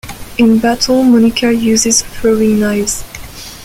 In battle, Monika uses throwing knives.